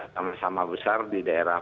sama sama besar di daerah